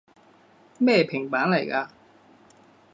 咩平板來㗎？